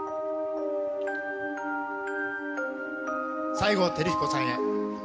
西郷輝彦さんへ。